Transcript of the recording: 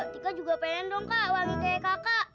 tika juga pengen dong kak wali kayak kakak